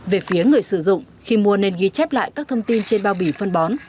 về phía người sử dụng khi mua nên ghi chép lại các thông tin trên bao bì phân bón